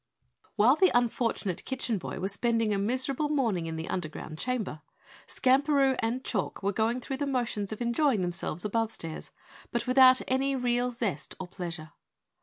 While the unfortunate Kitchen Boy was spending a miserable morning in the underground chamber, Skamperoo and Chalk were going through the motions of enjoying themselves above stairs, but without any real zest or pleasure.